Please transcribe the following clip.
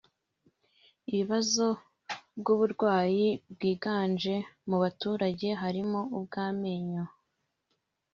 Ibibazo by’uburwayi byiganje mu baturage harimo ubw’amenyo